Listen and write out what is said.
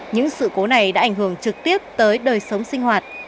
những sự cố này đã ảnh hưởng trực tiếp tới đời sống sinh hoạt